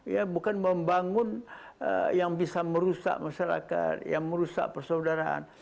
ya bukan membangun yang bisa merusak masyarakat yang merusak persaudaraan